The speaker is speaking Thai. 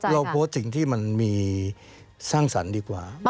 เราโพสต์สิ่งที่มันมีสร้างสรรค์ดีกว่า